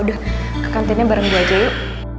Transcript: udah ke kantinnya bareng gue aja yuk